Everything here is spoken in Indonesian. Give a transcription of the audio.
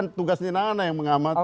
itu tugasnya mana yang mengamati